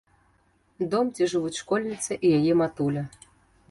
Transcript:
Дом, дзе жывуць школьніца і яе матуля.